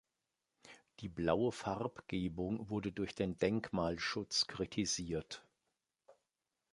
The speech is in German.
Die blaue Farbgebung wurde durch den Denkmalschutz kritisiert.